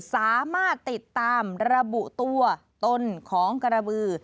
สามารถติดตามระบุตัวตนของกระบือ